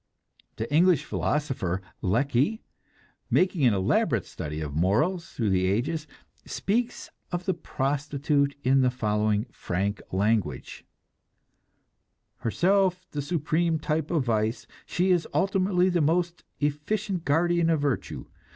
The English philosopher, Lecky, making an elaborate study of morals through the ages, speaks of the prostitute in the following frank language: "Herself the supreme type of vice, she is ultimately the most efficient guardian of virtue.